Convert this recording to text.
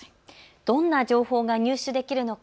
どんな情報が入手できるのか。